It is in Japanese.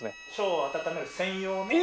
笙を温める専用の。